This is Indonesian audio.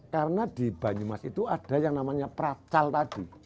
karena di banyumas itu ada yang namanya pracal tadi